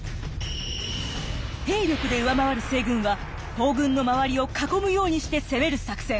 兵力で上回る西軍は東軍の周りを囲むようにして攻める作戦。